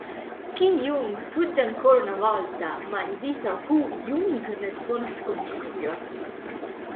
Ki-young sfugge ancora una volta, ma invita Woo-hyun nel suo nascondiglio.